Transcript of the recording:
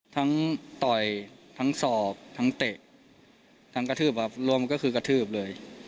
ต่อยทั้งสอบทั้งเตะทั้งกระทืบครับรวมก็คือกระทืบเลย